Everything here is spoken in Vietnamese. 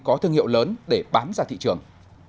có thương hiệu lớn để bám ra thị trường